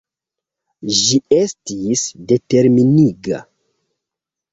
Ĝi estis determiniga.